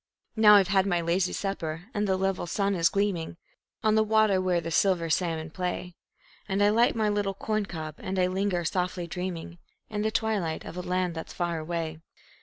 Now I've had my lazy supper, and the level sun is gleaming On the water where the silver salmon play; And I light my little corn cob, and I linger, softly dreaming, In the twilight, of a land that's far away.